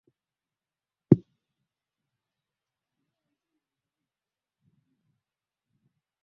Aliringa sana kweneye harusi yake